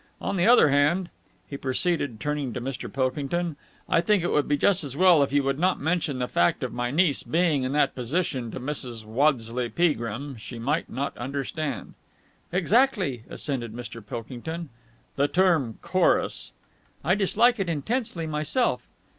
On the other hand," he proceeded, turning to Mr. Pilkington, "I think it would be just as well if you would not mention the fact of my niece being in that position to Mrs. Waddesleigh Peagrim. She might not understand." "Exactly," assented Mr. Pilkington. "The term 'chorus'...." "I dislike it intensely myself."